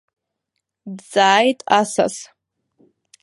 Дҵааит асас.